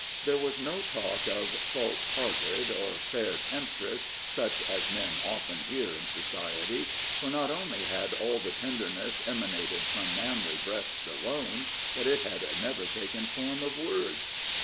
There was no talk of "false hearted" or "fair temptress," such as men often hear in society; for not only had all the tenderness emanated from manly breasts alone, but it had never taken form of words.